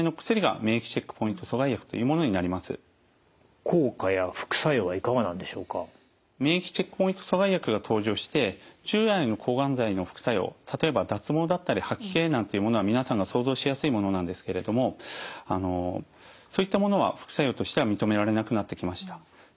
免疫チェックポイント阻害薬が登場して従来の抗がん剤の副作用例えば脱毛だったり吐き気なんていうものは皆さんが想像しやすいものなんですけれどもそういったものは副作用としては認められなくなってきました。